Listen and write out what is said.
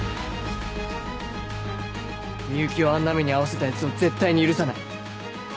美雪をあんな目に遭わせたヤツを絶対に許さない。